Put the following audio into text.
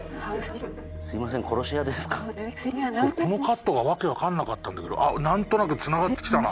このカットが訳分かんなかったんだけど何となくつながってきたな。